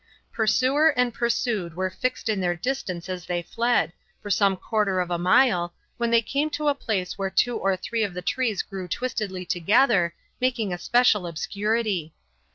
Pursuer and pursued were fixed in their distance as they fled, for some quarter of a mile, when they came to a place where two or three of the trees grew twistedly together, making a special obscurity.